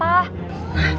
ada hubungan apa apa